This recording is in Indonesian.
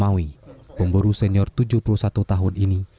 maui pemburu senior tujuh puluh satu tahun ini